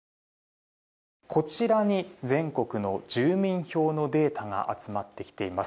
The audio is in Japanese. こちらに全国の住民票のデータが集まってきています。